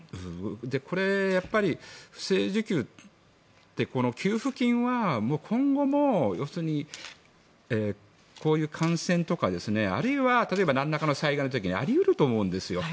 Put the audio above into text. これ、不正受給って給付金は、今後も要するにこういう感染とかあるいはなんらかの災害の時にあり得ると思うんですよ。